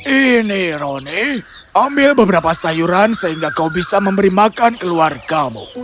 ini roni ambil beberapa sayuran sehingga kau bisa memberi makan keluargamu